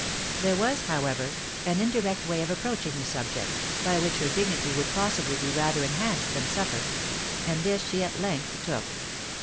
There was, however, an indirect way of approaching the subject, by which her dignity would possibly be rather enhanced than suffer; and this she at length took.